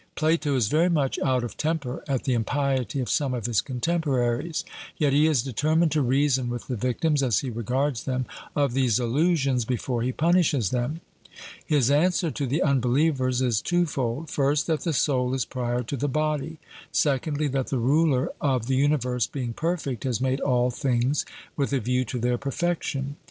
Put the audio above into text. Plato is very much out of temper at the impiety of some of his contemporaries; yet he is determined to reason with the victims, as he regards them, of these illusions before he punishes them. His answer to the unbelievers is twofold: first, that the soul is prior to the body; secondly, that the ruler of the universe being perfect has made all things with a view to their perfection.